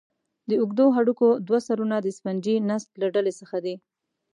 د اوږدو هډوکو دوه سرونه د سفنجي نسج له ډلې څخه دي.